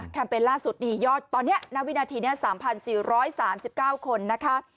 เปญล่าสุดนี้ยอดตอนนี้ณวินาทีนี้๓๔๓๙คนนะคะ